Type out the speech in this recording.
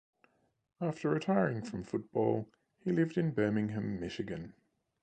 After retiring from football, he lived in Birmingham, Michigan.